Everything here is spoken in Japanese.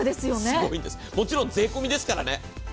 もちろん税込みですからね。